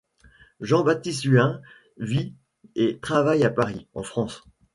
Jean-Baptiste Huynh vit et travaille à Paris, en France.